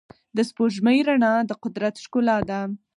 د سپوږمۍ رڼا د قدرت ښکلا ده.